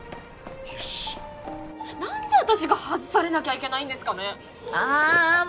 よし何で私が外されなきゃいけないんですかねああああ